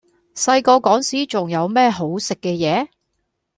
細個嗰時仲有咩好食嘅野？